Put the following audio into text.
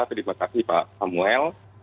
terima kasih pak samuel